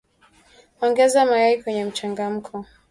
Ongeza mayai kwenye mchanganyiko